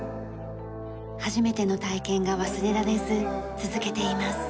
初めての体験が忘れられず続けています。